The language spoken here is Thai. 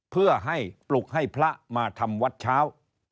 เพื่อให้ปลุกให้พระมาทำวัดเช้า